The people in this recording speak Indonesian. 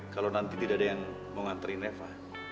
kalau nanti tidak ada yang mau nganterin reva